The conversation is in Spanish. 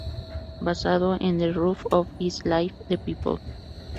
Basado en "The Run of His Life, The People v.